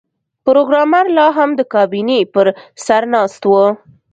پروګرامر لاهم د کابینې پر سر ناست و